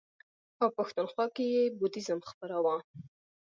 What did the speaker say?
او پښتونخوا کې یې بودیزم خپراوه.